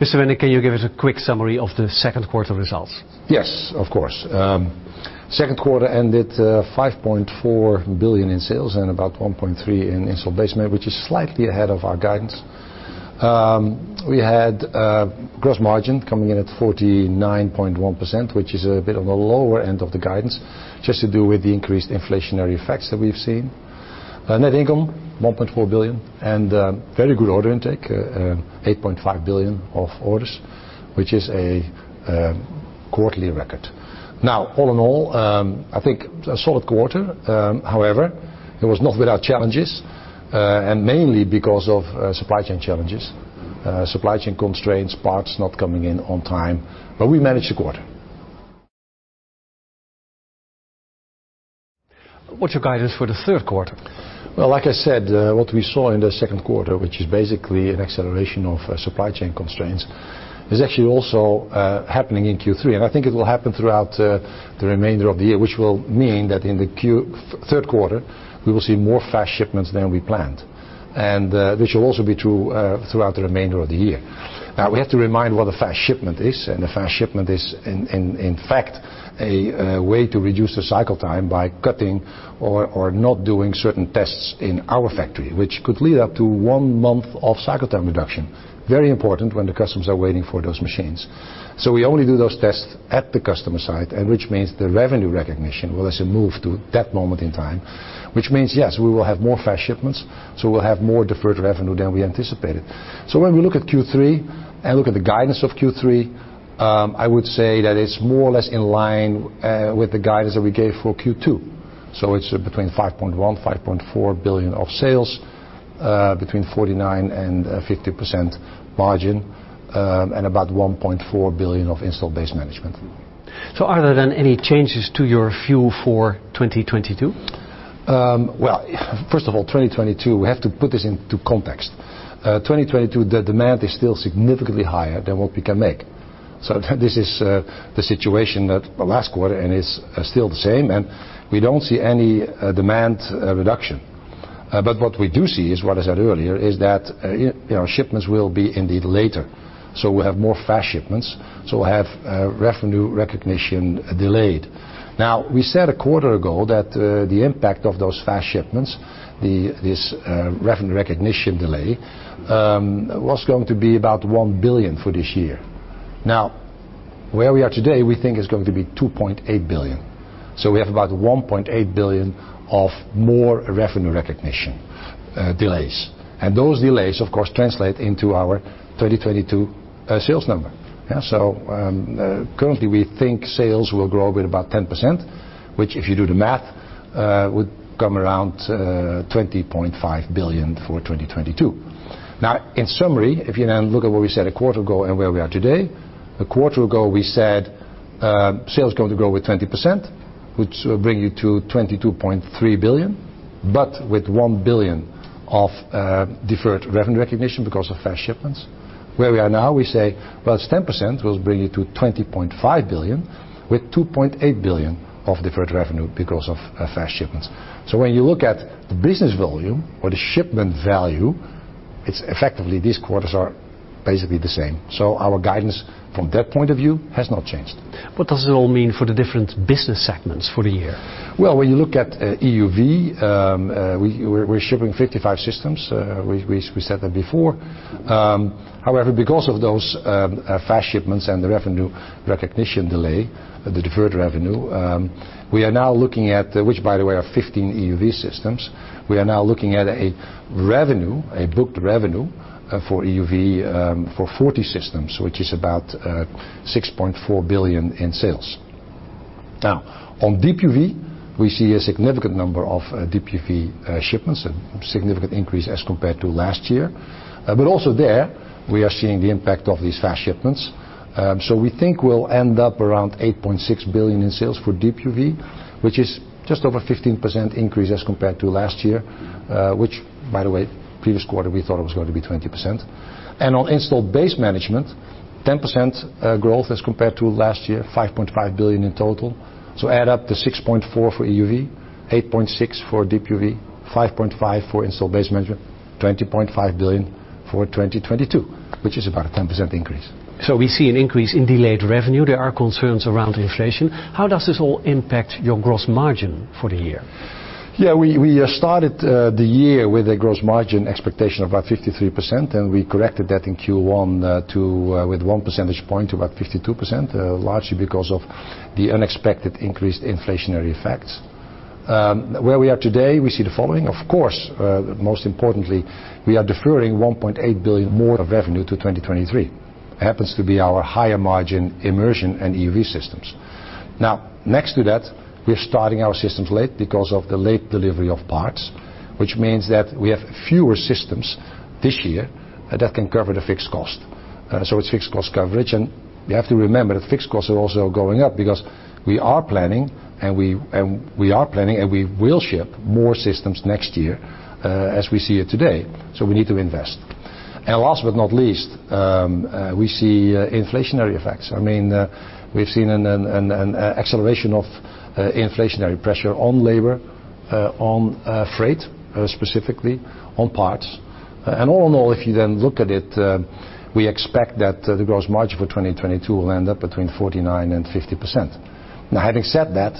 Mr. Wennink, can you give us a quick summary of the second quarter results? Yes, of course. Second quarter ended, 5.4 billion in sales and about 1.3 billion in Installed Base Management, which is slightly ahead of our guidance. We had gross margin coming in at 49.1%, which is a bit on the lower end of the guidance, just to do with the increased inflationary effects that we've seen. Net income 1.4 billion, and very good order intake, 8.5 billion of orders, which is a quarterly record. Now, all in all, I think a solid quarter. However, it was not without challenges, and mainly because of supply chain challenges, supply chain constraints, parts not coming in on time, but we managed the quarter. What's your guidance for the third quarter? Well, like I said, what we saw in the second quarter, which is basically an acceleration of supply chain constraints, is actually also happening in Q3, and I think it will happen throughout the remainder of the year, which will mean that in the third quarter, we will see more fast shipments than we planned. This shall also be true throughout the remainder of the year. Now we have to remind what a fast shipment is, and a fast shipment is in fact a way to reduce the cycle time by cutting or not doing certain tests in our factory, which could lead up to one month of cycle time reduction. Very important when the customers are waiting for those machines. We only do those tests at the customer site, and which means the revenue recognition will also move to that moment in time, which means, yes, we will have more fast shipments, so we'll have more deferred revenue than we anticipated. When we look at Q3 and look at the guidance of Q3, I would say that it's more or less in line with the guidance that we gave for Q2. It's between 5.1 billion-5.4 billion of sales, between 49%-50% margin, and about 1.4 billion of Installed Base Management. Are there then any changes to your view for 2022? Well, first of all, 2022, we have to put this into context. 2022, the demand is still significantly higher than what we can make. This is the situation that last quarter and is still the same, and we don't see any demand reduction. What we do see is, what I said earlier, is that, you know, shipments will be indeed later. We'll have more fast shipments, so we'll have revenue recognition delayed. Now, we said a quarter ago that the impact of those fast shipments, this revenue recognition delay, was going to be about 1 billion for this year. Now, where we are today, we think it's going to be 2.8 billion. We have about 1.8 billion of more revenue recognition delays. Those delays, of course, translate into our 2022 sales number. Currently, we think sales will grow with about 10%, which if you do the math, would come around 20.5 billion for 2022. Now, in summary, if you look at what we said a quarter ago and where we are today, a quarter ago, we said, sales going to grow with 20%, which will bring you to 22.3 billion, but with 1 billion of deferred revenue recognition because of fast shipments. Where we are now, we say, well, it's 10%, will bring you to 20.5 billion with 2.8 billion of deferred revenue because of fast shipments. When you look at the business volume or the shipment value, it's effectively these quarters are basically the same. Our guidance from that point of view has not changed. What does it all mean for the different business segments for the year? Well, when you look at EUV, we're shipping 55 systems. We said that before. However, because of those fast shipments and the revenue recognition delay, the deferred revenue, which, by the way, are 15 EUV systems, we are now looking at a booked revenue for EUV for 40 systems, which is about 6.4 billion in sales. Now, on DUV, we see a significant number of DUV shipments, a significant increase as compared to last year. Also there, we are seeing the impact of these fast shipments. We think we'll end up around 8.6 billion in sales for DUV, which is just over 15% increase as compared to last year, which by the way, previous quarter, we thought it was going to be 20%. On Installed Base Management, 10% growth as compared to last year, 5.5 billion in total. Add up the 6.4 for EUV, 8.6 for DUV, 5.5 for Installed Base Management, 20.5 billion for 2022, which is about a 10% increase. We see an increase in deferred revenue. There are concerns around inflation. How does this all impact your gross margin for the year? Yeah. We started the year with a gross margin expectation of about 53%, and we corrected that in Q1 to with one percentage point about 52%, largely because of the unexpected increased inflationary effects. Where we are today, we see the following. Of course, most importantly, we are deferring 1.8 billion more of revenue to 2023. Happens to be our higher margin Immersion and EUV systems. Now, next to that, we're starting our systems late because of the late delivery of parts, which means that we have fewer systems this year that can cover the fixed cost. It's fixed cost coverage. You have to remember that fixed costs are also going up because we are planning, and we will ship more systems next year, as we see it today. We need to invest. Last but not least, we see inflationary effects. I mean, we've seen an acceleration of inflationary pressure on labor, on freight, specifically, on parts. And all in all, if you then look at it, we expect that the gross margin for 2022 will end up between 49%-50%. Now, having said that,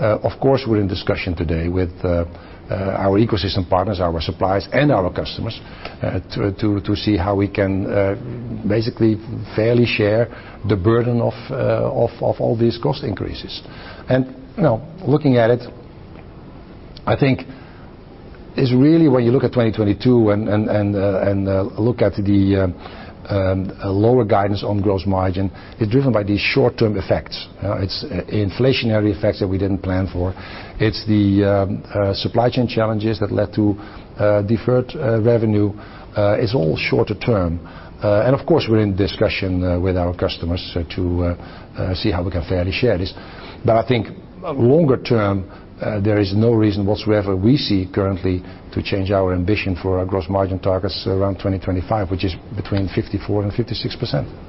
of course, we're in discussion today with our ecosystem partners, our suppliers, and our customers, to see how we can basically fairly share the burden of all these cost increases. You know, looking at it, I think it's really when you look at 2022 and look at the lower guidance on gross margin, it's driven by these short-term effects. It's inflationary effects that we didn't plan for. It's the supply chain challenges that led to deferred revenue. It's all shorter term. Of course, we're in discussion with our customers to see how we can fairly share this. I think longer term, there is no reason whatsoever we see currently to change our ambition for our gross margin targets around 2025, which is between 54%-56%.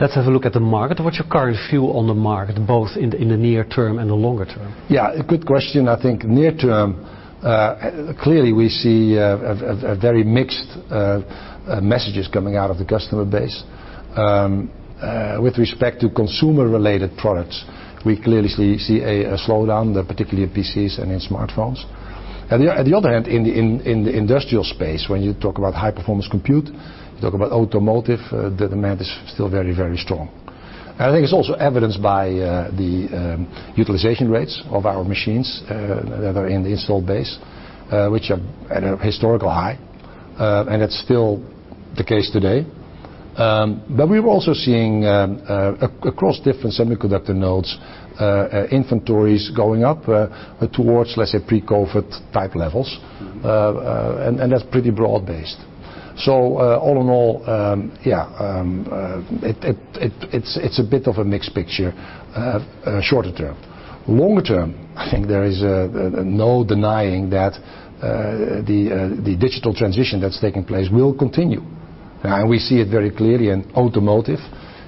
Let's have a look at the market. What's your current view on the market, both in the near term and the longer term? Yeah, a good question. I think near term, clearly we see a very mixed messages coming out of the customer base. With respect to consumer-related products, we clearly see a slowdown, particularly in PCs and in smartphones. On the other hand, in the industrial space, when you talk about high-performance compute, you talk about automotive, the demand is still very strong. I think it's also evidenced by the utilization rates of our machines that are in the installed base, which are at a historical high, and it's still the case today. We're also seeing across different semiconductor nodes, inventories going up towards, let's say, pre-COVID type levels. Mm-hmm. That's pretty broad-based. All in all, it's a bit of a mixed picture, shorter term. Longer term, I think there is no denying that the digital transition that's taking place will continue. We see it very clearly in automotive.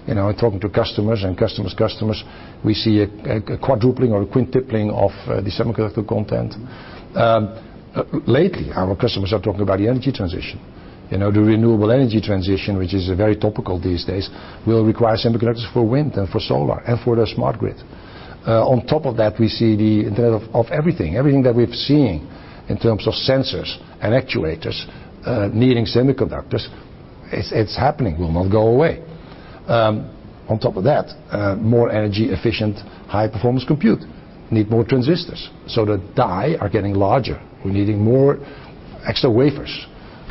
You know, in talking to customers and customers' customers, we see a quadrupling or a quintupling of the semiconductor content. Lately, our customers are talking about the energy transition. You know, the renewable energy transition, which is very topical these days, will require semiconductors for wind and for solar and for the smart grid. On top of that, we see the Internet of Everything. Everything that we've seen in terms of sensors and actuators needing semiconductors, it's happening, will not go away. On top of that, more energy efficient, high-performance compute need more transistors, so the die are getting larger. We're needing more extra wafers.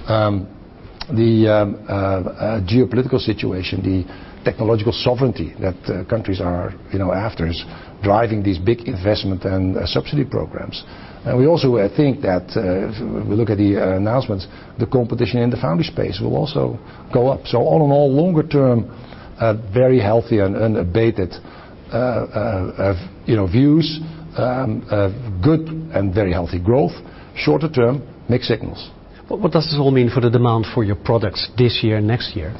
The geopolitical situation, the technological sovereignty that countries are, you know, after is driving these big investment and subsidy programs. We also, I think that, if we look at the announcements, the competition in the foundry space will also go up. All in all, longer term, a very healthy and unabated, you know, views. A good and very healthy growth. Shorter term, mixed signals. What does this all mean for the demand for your products this year, next year?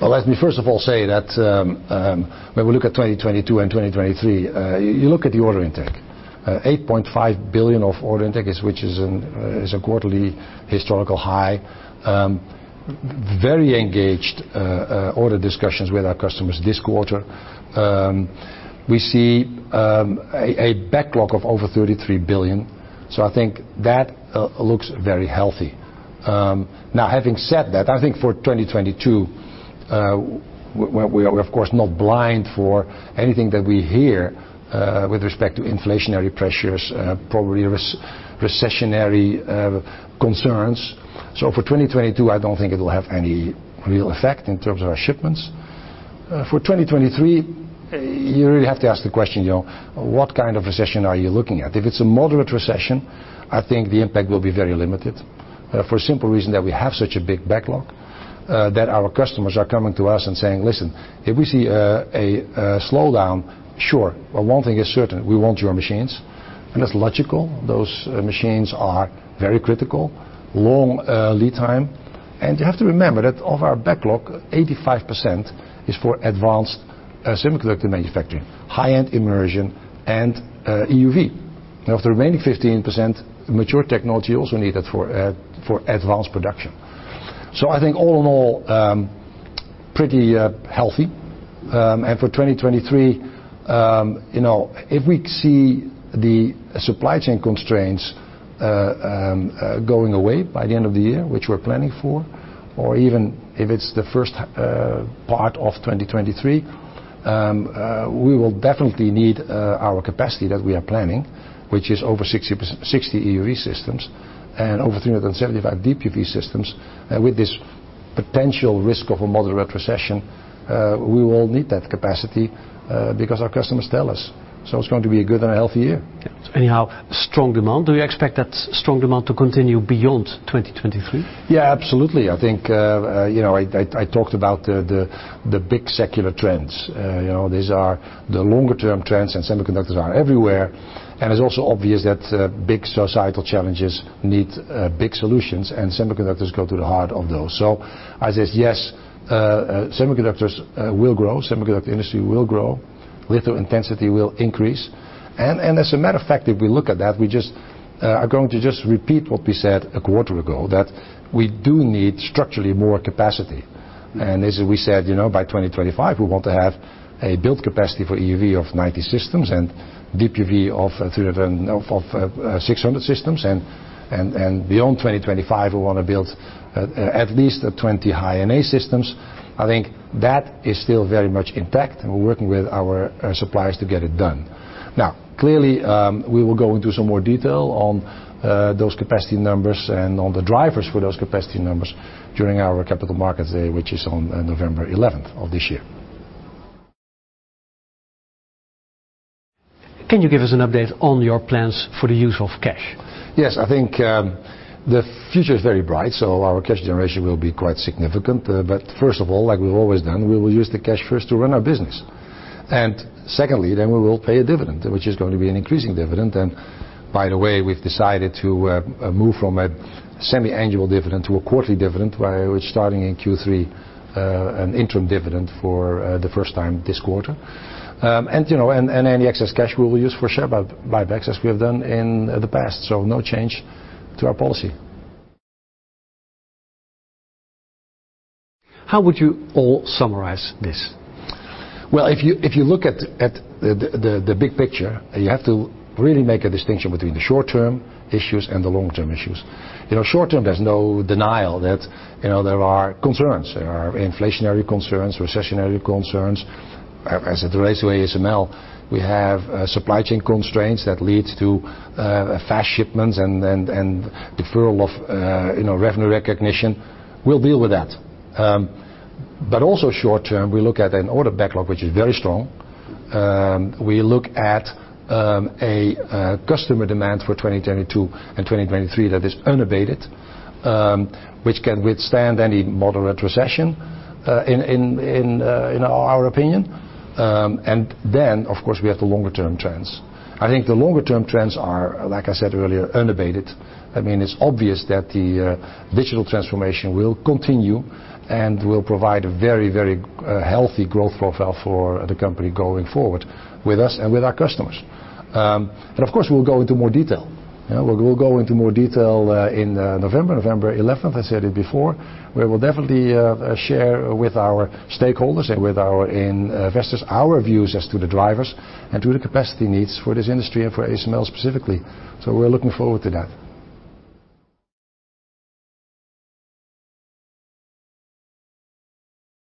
Well, let me first of all say that, when we look at 2022 and 2023, you look at the order intake. 8.5 billion of order intake, which is a quarterly historical high. Very engaged order discussions with our customers this quarter. We see a backlog of over 33 billion. I think that looks very healthy. Now having said that, I think for 2022, we are of course not blind for anything that we hear with respect to inflationary pressures, probably recessionary concerns. For 2022, I don't think it will have any real effect in terms of our shipments. For 2023, you really have to ask the question, you know, what kind of recession are you looking at? If it's a moderate recession, I think the impact will be very limited for a simple reason that we have such a big backlog that our customers are coming to us and saying, "Listen, if we see a slowdown, sure. But one thing is certain, we want your machines." That's logical. Those machines are very critical. Long lead time. You have to remember that of our backlog, 85% is for advanced semiconductor manufacturing, high-end Immersion, and EUV. Now, of the remaining 15%, mature technology also needed for advanced production. I think all in all, pretty healthy. For 2023, you know, if we see the supply chain constraints going away by the end of the year, which we're planning for, or even if it's the first part of 2023, we will definitely need our capacity that we are planning, which is over 60%, 60 EUV systems and over 375 DUV systems. With this potential risk of a moderate recession, we will need that capacity, because our customers tell us. It's going to be a good and a healthy year. Yes. Anyhow, strong demand. Do you expect that strong demand to continue beyond 2023? Yeah, absolutely. I think, you know, I talked about the big secular trends. You know, these are the longer term trends, and semiconductors are everywhere, and it's also obvious that big societal challenges need big solutions, and semiconductors go to the heart of those. I say, yes, semiconductors will grow, semiconductor industry will grow, litho intensity will increase. As a matter of fact, if we look at that, we are going to repeat what we said a quarter ago, that we do need structurally more capacity. As we said, you know, by 2025, we want to have a built capacity for EUV of 90 systems and DUV of 600 systems. Beyond 2025, we want to build at least 20 High NA systems. I think that is still very much intact, and we're working with our suppliers to get it done. Now, clearly, we will go into some more detail on those capacity numbers and on the drivers for those capacity numbers during our Investor Day, which is on November 11th of this year. Can you give us an update on your plans for the use of cash? Yes. I think the future is very bright, so our cash generation will be quite significant. First of all, like we've always done, we will use the cash first to run our business. Secondly, then we will pay a dividend, which is going to be an increasing dividend. By the way, we've decided to move from a semiannual dividend to a quarterly dividend, where we're starting in Q3, an interim dividend for the first time this quarter. You know, any excess cash we will use for share buybacks as we have done in the past, so no change to our policy. How would you all summarize this? Well, if you look at the big picture, you have to really make a distinction between the short-term issues and the long-term issues. You know, short-term, there's no denial that, you know, there are concerns. There are inflationary concerns, recessionary concerns. As it relates to ASML, we have supply chain constraints that leads to fast shipments and deferral of revenue recognition. We'll deal with that. Also short-term, we look at an order backlog which is very strong. We look at customer demand for 2022 and 2023 that is unabated, which can withstand any moderate recession in our opinion. Of course, we have the longer term trends. I think the longer term trends are, like I said earlier, unabated. I mean, it's obvious that the digital transformation will continue and will provide a very healthy growth profile for the company going forward with us and with our customers. Of course, we'll go into more detail. You know, we'll go into more detail in November 11th. I said it before. We will definitely share with our stakeholders and with our investors our views as to the drivers and to the capacity needs for this industry and for ASML specifically. We're looking forward to that.